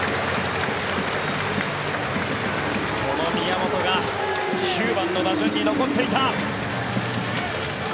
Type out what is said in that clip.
この宮本が９番の打順に残っていた。